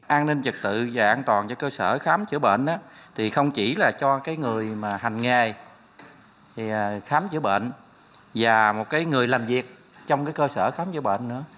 an ninh trực tự và an toàn cho cơ sở khám chữa bệnh thì không chỉ là cho người hành nghề khám chữa bệnh và người làm việc trong cơ sở khám chữa bệnh nữa